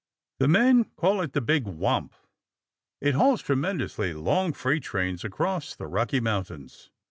The men call it the Big Wamp. It hauls tremendously long freight trains across the Rocky Mountains.